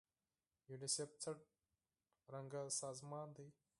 یونیسف څه ډول سازمان دی؟